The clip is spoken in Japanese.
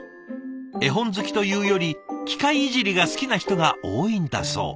絵本好きというより機械いじりが好きな人が多いんだそう。